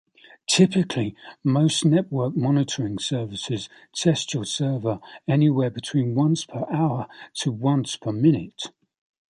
Typically, most network monitoring services test your server anywhere between once-per-hour to once-per-minute.